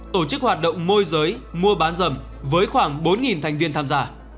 tổ chức hoạt động môi giới mua bán rầm với khoảng bốn thành viên tham gia